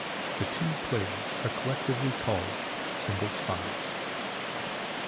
The two plays are collectively called "Single Spies".